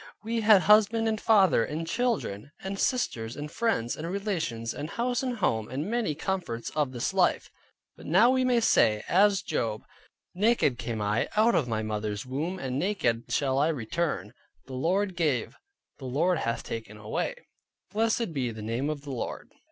We had husband and father, and children, and sisters, and friends, and relations, and house, and home, and many comforts of this life: but now we may say, as Job, "Naked came I out of my mother's womb, and naked shall I return: the Lord gave, the Lord hath taken away, blessed be the name of the Lord."